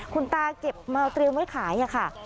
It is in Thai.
คุณตาเก็บมาเตรียมไว้ขายค่ะ